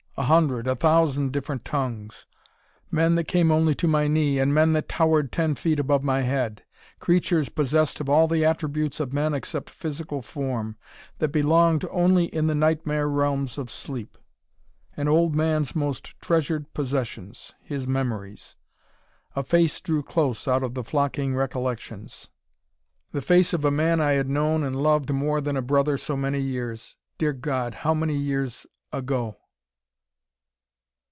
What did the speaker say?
A hundred, a thousand different tongues. Men that came only to my knee, and men that towered ten feet above my head. Creatures possessed of all the attributes of men except physical form that belonged only in the nightmare realms of sleep. An old man's most treasured possessions: his memories. A face drew close out of the flocking recollections; the face of a man I had known and loved more than a brother so many years dear God, how many years ago.